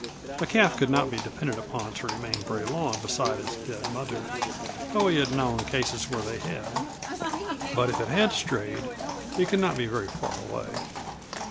A calf could not be depended upon to remain very long beside its dead mother, though he had known cases where they had. But if it had strayed it could not be very far away.